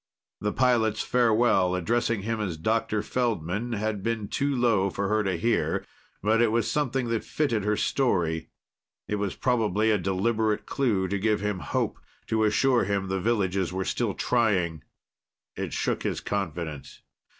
The pilot's farewell, addressing him as Dr. Feldman, had been too low for her to hear, but it was something that fitted her story. It was probably a deliberate clue to give him hope, to assure him the villages were still trying. It shook his confidence.